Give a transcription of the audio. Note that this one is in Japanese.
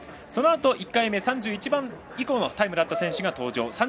そのあと１回目、３１番目以降のタイムだった選手が登場。